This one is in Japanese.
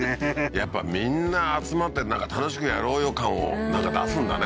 やっぱみんな集まって楽しくやろうよ感をなんか出すんだね